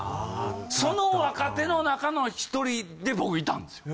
その若手の中の１人で僕いたんですよ。